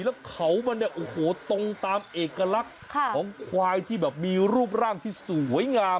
แล้วขาวมันตรงตามเอกลักษณ์ของควายที่แบบมีรูปร่างที่สวยงาม